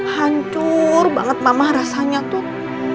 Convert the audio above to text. hancur banget mama rasanya tuh